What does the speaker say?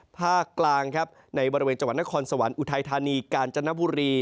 ภาคกลางครับในบริเวณจังหวัดนครสวรรค์อุทัยธานีกาญจนบุรี